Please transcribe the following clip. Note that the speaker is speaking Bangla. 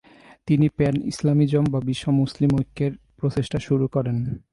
তিনি প্যান ইসলামিজম বা বিশ্ব মুসলিম ঐক্যের প্রচেষ্টা শুরু করেন।